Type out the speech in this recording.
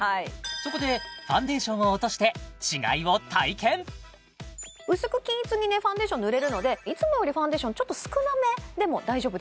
そこでファンデーションを落として違いを体験薄く均一にねファンデーション塗れるのでいつもよりファンデーションちょっと少なめでも大丈夫です